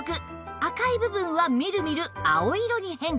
赤い部分はみるみる青色に変化